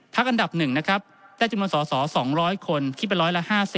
ทักอันดับ๑ได้จุดมนต์ส่อ๒๐๐คนคิดไปร้อยละ๕๐